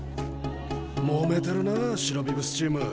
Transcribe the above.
もめてるなあ白ビブスチーム。